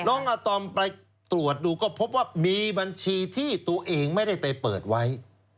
น้องอาตอมไปตรวจดูก็พบว่ามีบัญชีที่ตัวเองไม่ได้ไปเปิดไว้